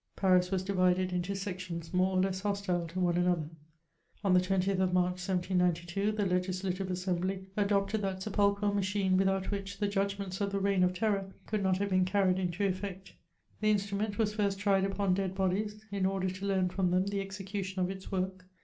Paris was divided into sections more or less hostile to one another. On the 20th of March, 1792, the Legislative Assembly adopted that sepulchral machine without which the judgments of the reign of terror could not have been carried into effect ; the instrument was first tried upon dead bodies, in order to leam from them the execution of its work.